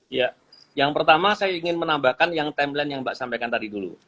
ya yang pertama saya ingin menambahkan yang timeline yang mbak sampaikan tadi dulu